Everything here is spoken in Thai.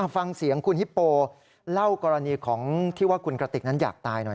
ฟังเสียงคุณฮิปโปเล่ากรณีของที่ว่าคุณกระติกนั้นอยากตายหน่อย